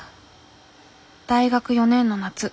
大学４年の夏。